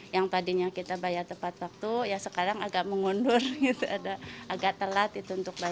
yang tadinya kita bayar tepat waktu sekarang agak mengundur agak telat untuk bayar